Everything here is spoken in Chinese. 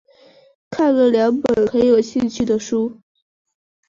看了两本很有兴趣的书